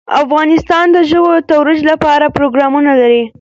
افغانستان د ژبو د ترویج لپاره پروګرامونه لري.